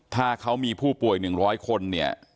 ถ้าเขามีผู้ป่วย๑๐๐คนเนี่ย